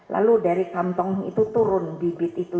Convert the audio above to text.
lalu dari kantong itu turun bibit itu